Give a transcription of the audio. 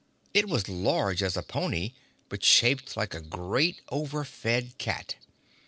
It was large as a pony, but shaped like a great overfed cat.